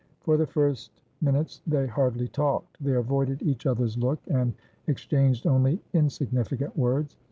For the first minutes they hardly talked; they avoided each other's look, and exchanged only insignificant words.